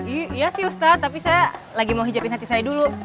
iya sih ustadz tapi saya lagi mau hijabin hati saya dulu